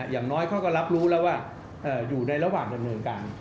อย่างน้อยเขาก็รับรู้แล้วว่าอยู่ในระหว่างดำเนินการ